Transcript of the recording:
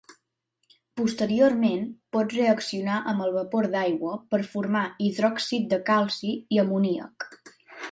Posteriorment pot reaccionar amb el vapor d'aigua per formar hidròxid de calci i amoníac.